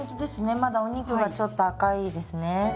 まだお肉がちょっと赤いですね。